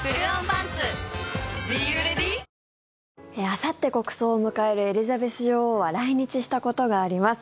あさって国葬を迎えるエリザベス女王は来日したことがあります。